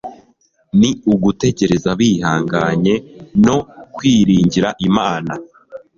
ni ugutegereza bihanganye no kwiringira Imana